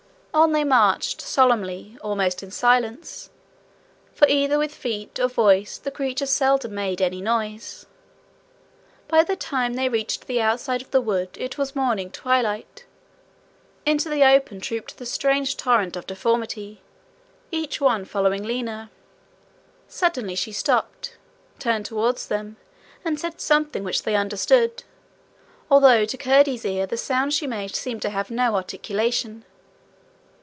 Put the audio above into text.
On they marched solemnly, almost in silence, for either with feet or voice the creatures seldom made any noise. By the time they reached the outside of the wood it was morning twilight. Into the open trooped the strange torrent of deformity, each one following Lina. Suddenly she stopped, turned towards them, and said something which they understood, although to Curdie's ear the sounds she made seemed to have no articulation.